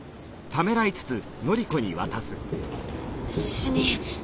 主任。